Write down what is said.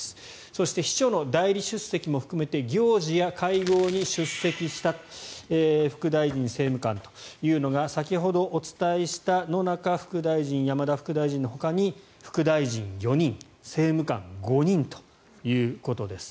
そして、秘書の代理出席も含めて行事や会合に出席した副大臣・政務官というのが先ほどお伝えした野中副大臣、山田副大臣のほかに副大臣４人政務官５人ということです。